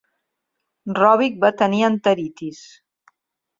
Robic va tenir enteritis.